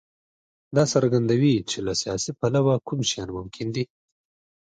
دا څرګندوي چې له سیاسي پلوه کوم شیان ممکن دي.